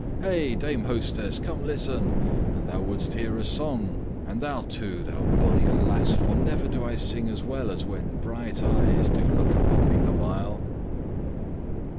Hey, Dame Hostess, come listen, an thou wouldst hear a song, and thou too, thou bonny lass, for never sing I so well as when bright eyes do look upon me the while."